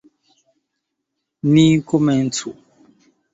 Ni komencu!